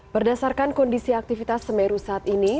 berdasarkan kondisi aktivitas semeru saat ini